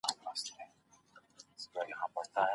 ایا کورني سوداګر خندان پسته اخلي؟